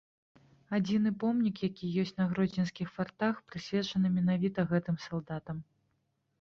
Адзіны помнік, які ёсць на гродзенскіх фартах, прысвечаны менавіта гэтым салдатам.